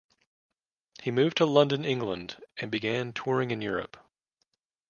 He moved to London, England, and began touring in Europe.